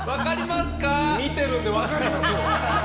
見てるんで、分かります。